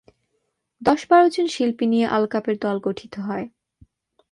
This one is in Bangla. দশ-বারোজন শিল্পী নিয়ে আলকাপের দল গঠিত হয়।